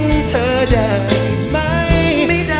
ขอเชิญอาทิตย์สำคัญด้วยค่ะ